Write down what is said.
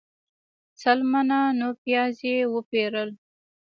سل منه نور پیاز یې وپیرل.